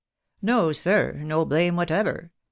" No, sir, no blame whatever.